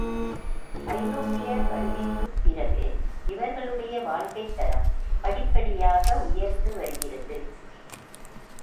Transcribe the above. ஐரோப்பியர் வருகைக்குப் பிறகு, இவர்களுடைய வாழ்க்கைத்தரம் படிப்படியாக உயர்ந்து வருகிறது.